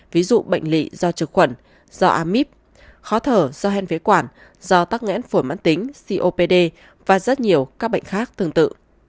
ví dụ bệnh lị do trực khuẩn do amip khó thở do hen phế quản do tắc nghẽn phổi mãn tính copd và rất nhiều các bệnh khác tương tự